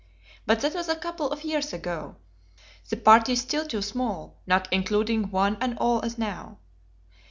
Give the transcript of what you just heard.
But that was a couple of years ago; the party still too small, not including one and all as now!